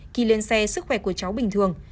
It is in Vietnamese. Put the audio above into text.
khi lên xe sức khỏe của cháu bình thường